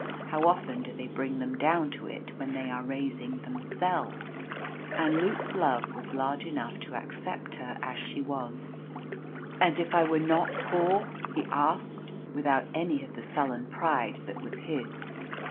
How often do they bring them down to it when they are raising themselves! And Luke's love was large enough to accept her as she was. "And if I were not poor?" he asked, without any of the sullen pride that was his.